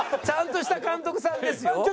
ちゃんとした監督さんですよ。